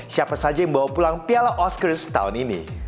siapa saja yang bawa pulang piala oscars tahun ini